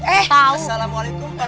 eh assalamualaikum pak rt